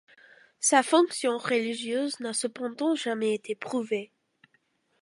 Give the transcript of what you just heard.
Sa fonction religieuse n'a cependant jamais été prouvée.